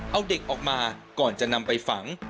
เอาเด็กออกมาก่อนจะนำไปฝัง